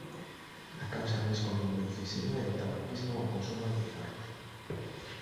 A causa máis común de enfisema é o tabaquismo ou consumo de cigarros.